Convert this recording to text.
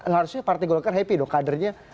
harusnya partai golkar happy dong kadernya